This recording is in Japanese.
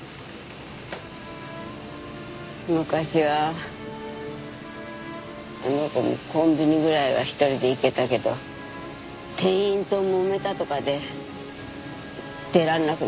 昔はあの子もコンビニぐらいは一人で行けたけど店員ともめたとかで出られなくなって。